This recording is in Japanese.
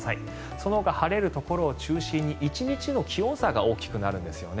そのほか晴れるところを中心に１日の気温差が大きくなるんですよね。